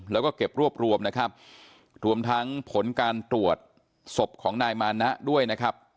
แล้วก็เก็บรวบรวมนะครับรวมทั้งผลการตรวจศพของนายมานะด้วยนะครับ